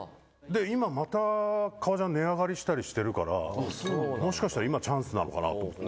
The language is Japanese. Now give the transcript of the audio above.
今、また、革ジャン値上がりしたりしてるからもしかしたら今、チャンスなのかなと思って。